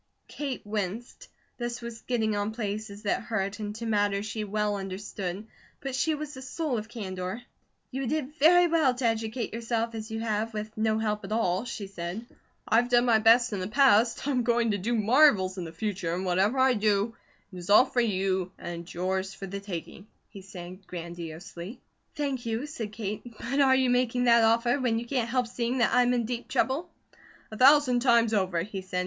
Kate winced. This was getting on places that hurt and to matters she well understood, but she was the soul of candour. "You did very well to educate yourself as you have, with no help at all," she said. "I've done my best in the past, I'm going to do marvels in the future, and whatever I do, it is all for you and yours for the taking," he said grandiosely. "Thank you," said Kate. "But are you making that offer when you can't help seeing that I'm in deep trouble?" "A thousand times over," he said.